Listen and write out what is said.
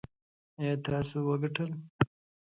ایا تاسو وګټل؟